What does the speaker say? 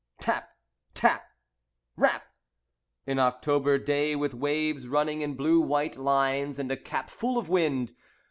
Tap! Tap! Rap! An October day, with waves running in blue white lines and a capful of wind.